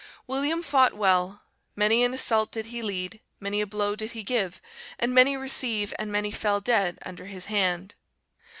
"William fought well; many an assault did he lead, many a blow did he give, and many receive, and many fell dead under his hand.